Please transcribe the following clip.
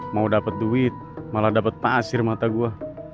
mau dapet duit malah dapet pasir mata gue